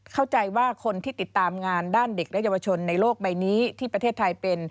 เข้าใจว่าคนที่ติดตามงานด้านเด็กและเยาวชนในโลกใบนี้ที่ประเทศไทยเป็น